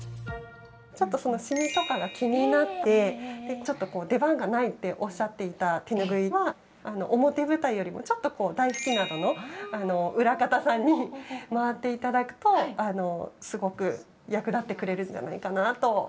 しみとかが気になってちょっと出番がないっておっしゃっていた手ぬぐいは表舞台よりも台拭きなどの裏方さんに回っていただくとすごく役立ってくれるんじゃないかなと思います。